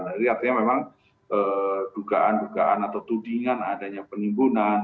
artinya memang dugaan dugaan atau tudingan adanya penimbunan